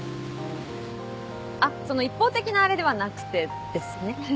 あっその一方的なあれではなくてですね。